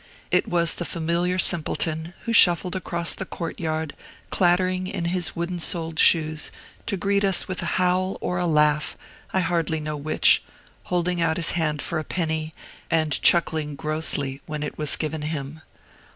It was the familiar simpleton, who shuffled across the court yard, clattering his wooden soled shoes, to greet us with a howl or a laugh, I hardly know which, holding out his hand for a penny, and chuckling grossly when it was given him.